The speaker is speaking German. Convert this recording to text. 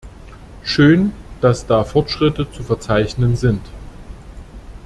Schön, dass da Fortschritte zu verzeichnen sind!